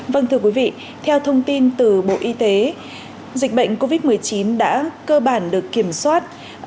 vâng thưa quý vị theo thông tin từ bộ y tế dịch bệnh covid một mươi chín đã cơ bản được kiểm soát